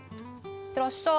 行ってらっしゃい。